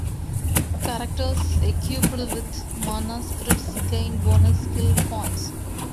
Characters equipped with Mana spirits gain bonus skill points.